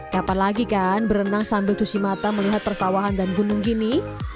kapan lagi kan berenang sambil cuci mata melihat persawahan dan gunung gini